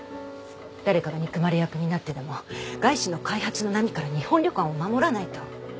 誰かが憎まれ役になってでも外資の開発の波から日本旅館を守らないと